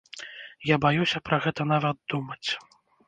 Я баюся пра гэта нават думаць.